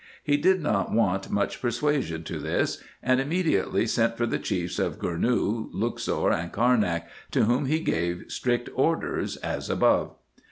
He did not want much persuasion to this ; and immediately sent for the chiefs of Gournou, Luxor, and Carnak, to whom he gave strict orders as above.